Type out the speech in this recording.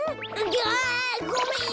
あごめんよ！